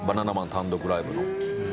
単独ライブの。